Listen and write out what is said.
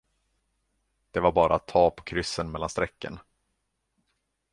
Det var bara att ta på kryssen mellan strecken.